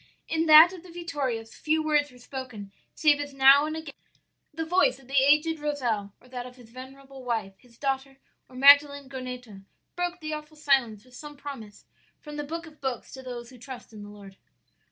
"In that of the Vittorias few words were spoken save as now and again the voice of the aged Rozel or that of his venerable wife, his daughter, or Magdalen Goneto, broke the awful silence with some promise from the Book of books to those who trust in the Lord.